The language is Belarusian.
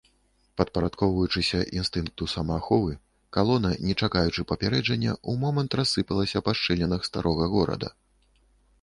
Падпарадкоўваючыся інстынкту самааховы, калона, не чакаючы папярэджання, у момант рассыпалася па шчылінах старога горада.